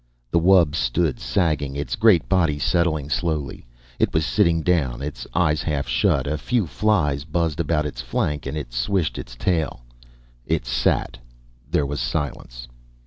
The wub stood sagging, its great body settling slowly. It was sitting down, its eyes half shut. A few flies buzzed about its flank, and it switched its tail. It sat. There was silence.